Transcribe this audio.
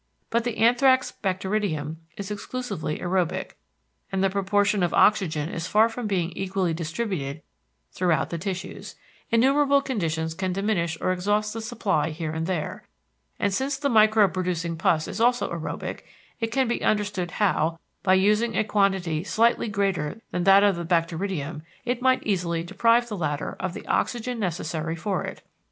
But the anthrax bacteridium is exclusively aërobic, and the proportion of oxygen is far from being equally distributed throughout the tissues: innumerable conditions can diminish or exhaust the supply here and there, and since the microbe producing pus is also aërobic, it can be understood how, by using a quantity slightly greater than that of the bacteridium it might easily deprive the latter of the oxygen necessary for it.